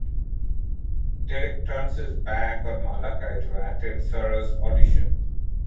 Derek turns his back on Malakai to attend Sara's audition.